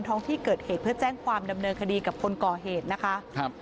ท้องที่เกิดเหตุเพื่อแจ้งความดำเนินคดีกับคนก่อเหตุนะคะครับ